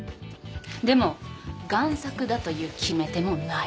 でも贋作だという決め手もない。